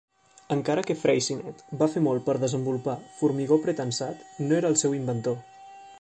Encara que Freyssinet va fer molt per desenvolupar formigó pretensat, no era el seu inventor.